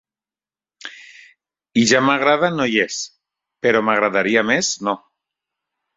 I ja m'agrada no hi és, però m'agradaria més no.